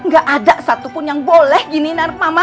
gak ada satupun yang boleh giniin anak mama